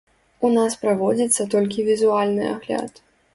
У нас праводзіцца толькі візуальны агляд.